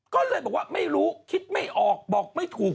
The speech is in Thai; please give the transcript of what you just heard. ก็เลยบอกว่าไม่รู้คิดไม่ออกบอกไม่ถูก